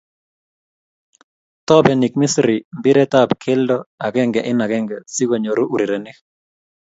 Tobenik Misri mpiret ab kelto akenge eng akenge si konyoruu urerenik.